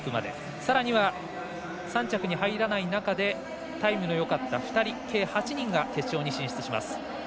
さらには３着に入らない中でタイムのよかった２人、計８人が決勝に進出します。